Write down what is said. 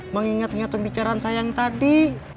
mengingat nyatam bicara saya tadi